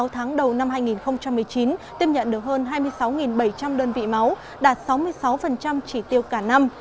sáu tháng đầu năm hai nghìn một mươi chín tiếp nhận được hơn hai mươi sáu bảy trăm linh đơn vị máu đạt sáu mươi sáu chỉ tiêu cả năm